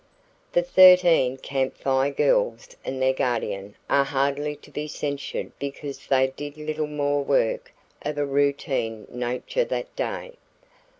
The thirteen Camp Fire Girls and their Guardian are hardly to be censured because they did little more work of a routine nature that day.